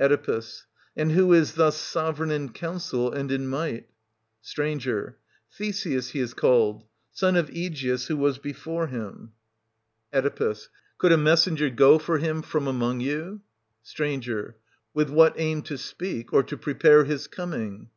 Oe. And who is thus sovereign in counsel and in might ? St. Theseus he is called, son of Aegeus who was before him. 64 SOPHOCLES. [70—95 70 Oe. Could a messenger go for him from among you? St. With what aim to speak, or to prepare his coming